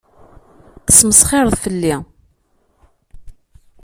Tesmesxireḍ fell-i.